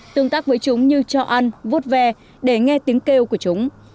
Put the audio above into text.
tương tác với chúng như cho ăn vút ve để nghe tiếng kêu của chúng